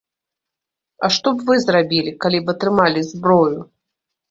А што б вы зрабілі, калі б атрымалі зброю?